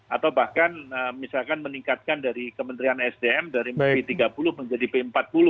atau bahkan misalkan meningkatkan dari kementerian sdm dari b tiga puluh menjadi b empat puluh